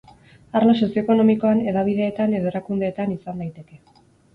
Arlo sozio-ekonomikoan, hedabideetan edo erakundeetan izan daiteke.